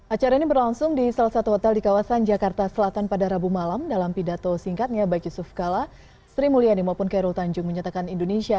acara ini berlangsung di salah satu hotel di kawasan jakarta selatan pada rabu malam dalam pidato singkatnya baik yusuf kala sri mulyani maupun khairul tanjung menyatakan indonesia